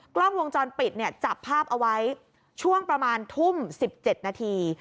กล้องวงจรปิดเนี่ยจับภาพเอาไว้ช่วงประมาณทุ่ม๑๗นาที